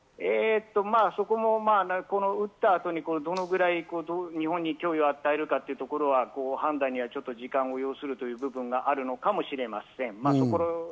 そこも打ったあとにどのぐらい日本に脅威を与えるかは判断には時間を要するという部分があるのかもしれません。